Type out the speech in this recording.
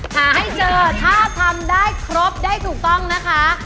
หาให้เจอถ้าทำได้ครบได้ถูกต้องนะคะ